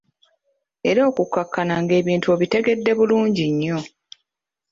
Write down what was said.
Era okukkakana ng'ebintu obitegedde bulungi nnyo.